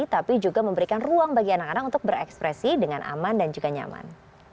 tapi juga memberikan ruang bagi anak anak untuk berekspresi dengan aman dan juga nyaman